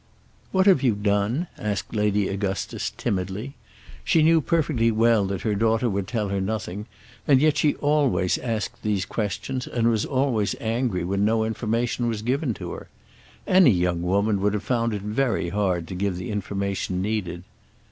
"What have you done?" asked Lady Augustus, timidly. She knew perfectly well that her daughter would tell her nothing, and yet she always asked these questions and was always angry when no information was given to her. Any young woman would have found it very hard to give the information needed.